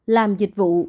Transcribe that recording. làm dịch vụ